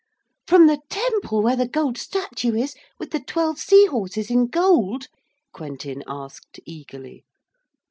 'From the temple where the gold statue is, with the twelve sea horses in gold?' Quentin asked eagerly.